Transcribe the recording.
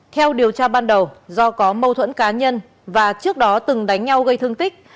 theo điều tra ban đầu do có mâu thuẫn cá nhân và trước đó từng đánh nhau gây thương tích